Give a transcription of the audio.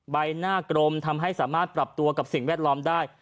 ใบหน้ากรมทำให้สามารถปรับตัวกับสิ่งแวดล้อมได้